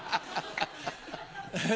ハハハ！